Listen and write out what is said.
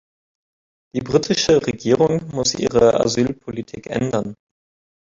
Die britische Regierung muss ihre Asylpolitik ändern.